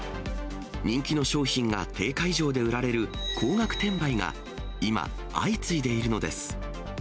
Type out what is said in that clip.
人気の商品が定価以上で売られる、高額転売が、今、相次いでいるのです。